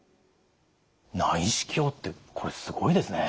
内視鏡ってこれすごいですね。